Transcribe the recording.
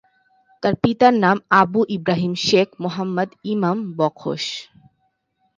তার পিতার নাম আবু ইব্রাহিম শেখ মোহাম্মদ ইমাম বখশ।